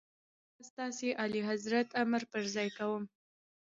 زه به ستاسي اعلیحضرت امر پر ځای کوم.